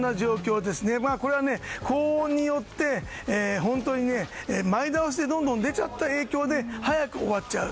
これは高温によって本当に前倒しでどんどん出ちゃった影響で早く終わっちゃう。